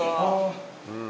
うん！